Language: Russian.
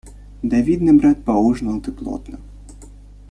Да, видно, брат, поужинал ты плотно.